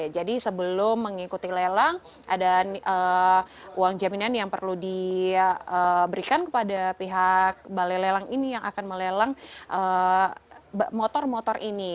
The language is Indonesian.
jadi sebelum mengikuti lelang ada uang jaminan yang perlu diberikan kepada pihak balai lelang ini yang akan melelang motor motor ini